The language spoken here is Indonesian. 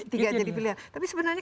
tiga jadi pilihan tapi sebenarnya